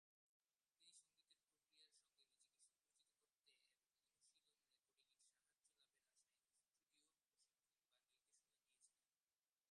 তিনি সঙ্গীতের প্রক্রিয়ার সঙ্গে নিজেকে সুপরিচিত করতে এবং অনুশীলন রেকর্ডিং এর সাহায্য লাভের আশায়, স্টুডিও প্রশিক্ষণ বা নির্দেশনা নিয়েছিলেন।